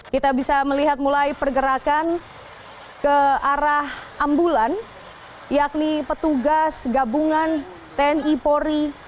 kita bisa melihat mulai pergerakan ke arah ambulan yakni petugas gabungan tni polri